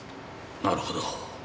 なるほど。